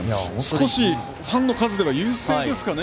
少し、ファンの数では優勢ですかね？